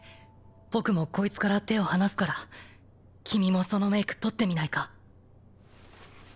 僕もこいつから手を離すから君もそのメイク取ってみないか？